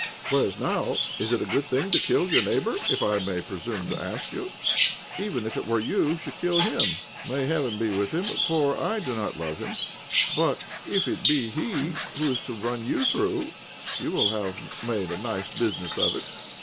Whereas now is it a good thing to kill your neighbour, if I may presume to ask you? Even if it were you who should kill him! May heaven be with him, for I do not love him. But if it be he who is to run you through, you will have made a nice business of it.